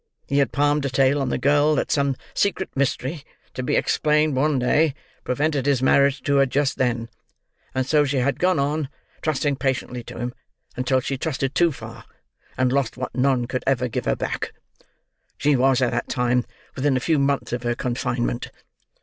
He had palmed a tale on the girl that some secret mystery—to be explained one day—prevented his marrying her just then; and so she had gone on, trusting patiently to him, until she trusted too far, and lost what none could ever give her back. She was, at that time, within a few months of her confinement.